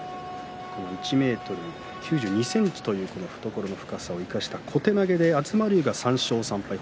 １ｍ９２ｃｍという懐の深さを生かした小手投げで東龍が３勝３敗です。